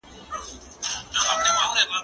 زه له سهاره لوستل کوم